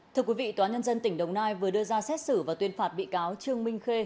thưa quý vị tòa nhân dân tỉnh đồng nai vừa đưa ra xét xử và tuyên phạt bị cáo trương minh khê